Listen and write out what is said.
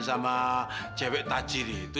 sama cewek tajiri itu